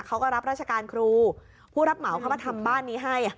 เขาก็รับราชการครูผู้รับเหมาเขามาทำบ้านนี้ให้